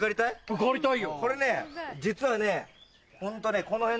受かりたい。